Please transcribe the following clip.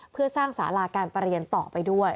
เพื่อสร้างสาระการเปลี่ยนต่อไปด้วย